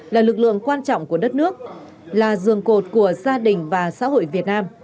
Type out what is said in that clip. là lực lượng quan trọng của đất nước là giường cột của gia đình và xã hội việt nam